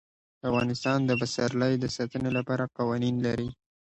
افغانستان د پسرلی د ساتنې لپاره قوانین لري.